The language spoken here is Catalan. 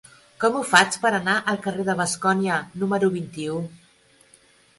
Com ho faig per anar al carrer de Bascònia número vint-i-u?